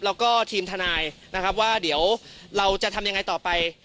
แล้วก็ทีมทนายนะครับว่าเดี๋ยวเราจะทำยังไงต่อไป